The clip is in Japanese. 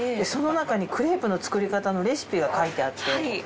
その中にクレープの作り方のレシピが書いてあって。